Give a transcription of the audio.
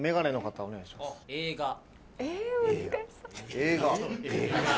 映画。